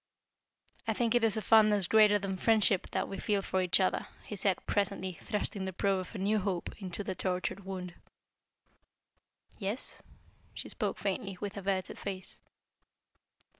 "I think it is a fondness greater than friendship that we feel for each other," he said, presently, thrusting the probe of a new hope into the tortured wound. "Yes?" she spoke faintly, with averted face.